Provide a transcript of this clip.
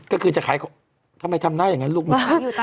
ก็คือจะขายทำไมทำได้อย่างนั้นลูกหลวง